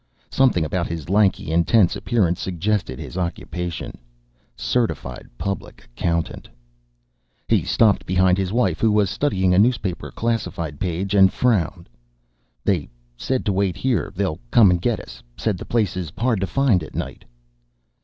Something about his lanky, intense appearance suggested his occupation: certified public accountant. He stopped behind his wife, who was studying a newspaper classified page, and frowned. "They said to wait here. They'll come get us. Said the place is hard to find at night."